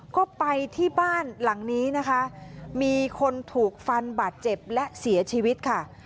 ก็ไปที่บ้านหลังนี้นะคะมีคนถูกฟันบาดเจ็บและเสียชีวิตค่ะ